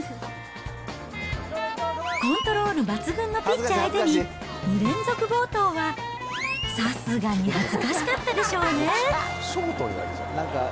コントロール抜群のピッチャー相手に２連続暴投はさすがに恥ずかしかったでしょうね。